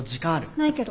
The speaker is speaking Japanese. ないけど。